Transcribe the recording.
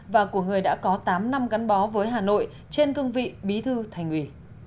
và của người đã có tám năm gắn bó với hà nội trên cương vị bí thư thành ủy